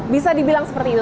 bisa dibilang seperti itu